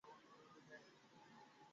তাই ভয় পেয়ে ওর হাতটা ভেঙে দিয়েছিস, তাই না?